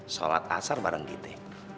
sholat asar bareng kita